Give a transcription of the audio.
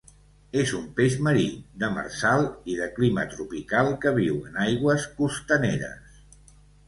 És un peix marí, demersal i de clima tropical que viu en aigües costaneres.